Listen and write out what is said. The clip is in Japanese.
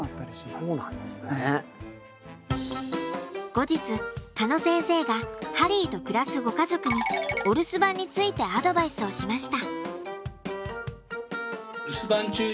後日鹿野先生がハリーと暮らすご家族にお留守番についてアドバイスをしました。